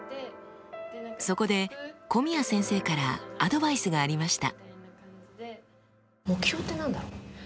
そこで古宮先生からアドバイスがありました。